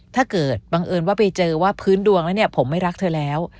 ถ้าเกิดบังเอิญว่าไปเจอว่าพื้นดวงแล้วผมไม่รักเธอแล้ว